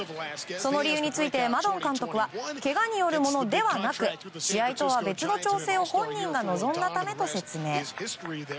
その理由についてマドン監督はけがによるものではなく試合とは別の調整を本人が望んだためと説明。